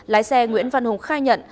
lái xe nguyễn văn hùng khai nhận